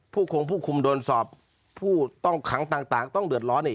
คงผู้คุมโดนสอบผู้ต้องขังต่างต้องเดือดร้อนอีก